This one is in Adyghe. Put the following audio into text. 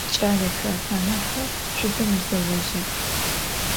Ç'alexer, anaheu şsuzemızeojıx!